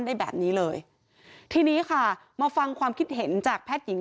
ได้แบบนี้เลยทีนี้ค่ะมาฟังความคิดเห็นจากแพทย์หญิง